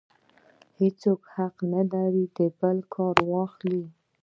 هېچا حق نه لري د بل کار واخلي.